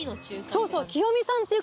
そうそう。